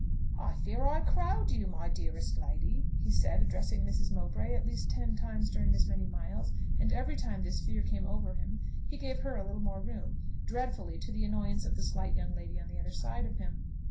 "I fear I crowd you, my dearest lady!" he said, addressing Mrs. Mowbray at least ten times during as many miles; and every time this fear came over him he gave her a little more room, dreadfully to the annoyance of the slight young lady on the other side of him.